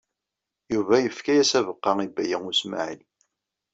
Yuba yefka-as abeqqa i Baya U Smaɛil.